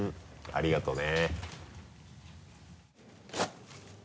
ありがとね。